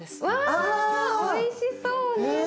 わあおいしそうね。